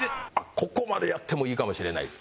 ここまでやってもいいかもしれない。